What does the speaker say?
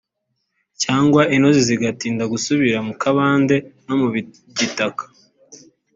cyangwa intozi zigatinda gusubira mu kabande no mu gitaka